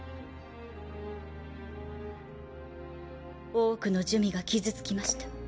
多くの珠魅が傷つきました。